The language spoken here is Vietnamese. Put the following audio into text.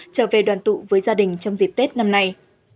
trở về đoàn tụ với gia đình trong dịp tết năm nay